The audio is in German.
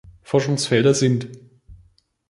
Forschungsfelder sind